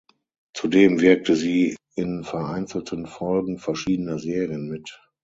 Zudem wirkte sie in vereinzelten Folgen verschiedener Serien mit.